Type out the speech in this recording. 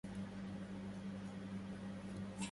يا عليلا جعل العلة